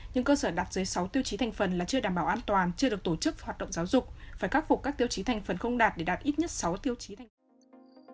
nhưng cơ sở đạt dưới sáu tiêu chí thành phần là chưa đảm bảo an toàn chưa được tổ chức hoạt động giáo dục phải khắc phục các tiêu chí thành phần không đạt để đạt ít nhất sáu tiêu chí thành lập